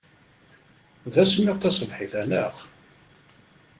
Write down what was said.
D asemmiḍ taṣebḥit-a, naɣ?